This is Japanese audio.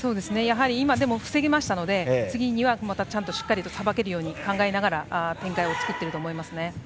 でも今、防げましたので次はまたしっかりとさばけるように考えながら展開を作っていると思います。